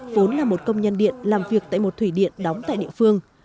vốn là một công nhân điện làm việc tại một thủy điện đóng tại địa phương